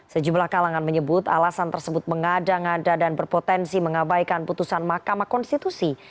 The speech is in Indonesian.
sejumlah kalangan menyebut alasan tersebut mengada ngada dan berpotensi mengabaikan putusan mahkamah konstitusi